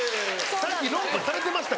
さっき論破されてました。